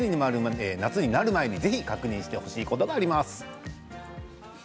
夏になる前にぜひ確認してほしいことがあります。